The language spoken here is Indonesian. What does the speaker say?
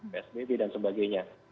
psbb dan sebagainya